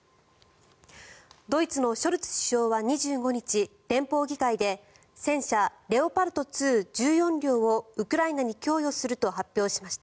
ドイツのショルツ首相は２５日連邦議会で戦車レオパルト２１４両をウクライナに供与すると発表しました。